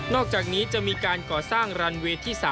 อกจากนี้จะมีการก่อสร้างรันเวย์ที่๓